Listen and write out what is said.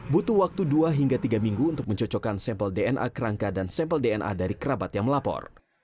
butuh waktu dua hingga tiga minggu untuk mencocokkan sampel dna kerangka dan sampel dna dari kerabat yang melapor